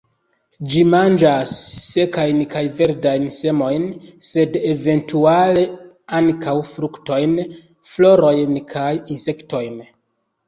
Ĝi manĝas sekajn kaj verdajn semojn, sed eventuale ankaŭ fruktojn, florojn kaj insektojn.